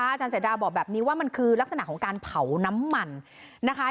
อาจารย์เสดาบอกแบบนี้ว่ามันคือลักษณะของการเผาน้ำมันนะคะ